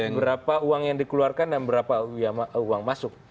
berapa uang yang dikeluarkan dan berapa uang masuk